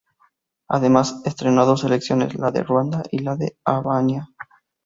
Además entrenó a dos selecciones, la de Ruanda y la de Albania.